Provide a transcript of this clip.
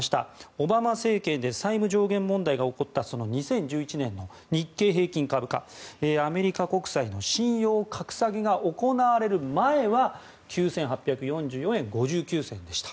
オバマ政権で債務上限問題が起こった２０１１年の日経平均株価アメリカ国債の信用格下げが行われる前は９８４４円５９銭でした。